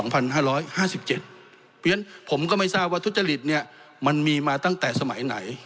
เพราะฉะนั้นผมก็ไม่ทราบว่าทุจริตมันมีมาตั้งแต่สมัยไหน